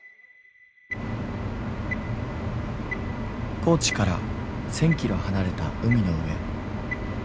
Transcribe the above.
高知から１，０００キロ離れた海の上。